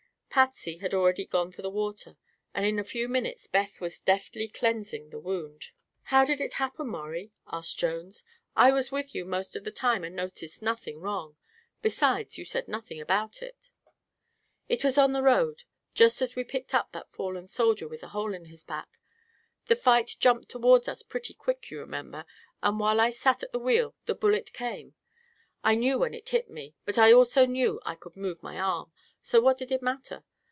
Patsy had already gone for the water and in a few minutes Beth was deftly cleansing the wound. "How did it happen, Maurie?" asked Jones. "I was with you most of the time and noticed nothing wrong. Besides, you said nothing about it." "It was on the road, just as we picked up that fallen soldier with the hole in his back. The fight jumped toward us pretty quick, you remember, and while I sat at the wheel the bullet came. I knew when it hit me, but I also knew I could move my arm, so what did it matter?